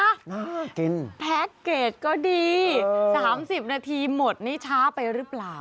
น่ากินแพ็คเกจก็ดี๓๐นาทีหมดนี้ช้าไปหรือเปล่า